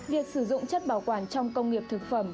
việc sử dụng chất bảo quản trong công nghiệp thực phẩm